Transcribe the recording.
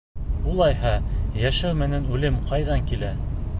— Улайһа, йәшәү менән үлем ҡайҙан килә?